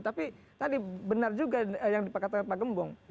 tapi tadi benar juga yang dikatakan pak gembong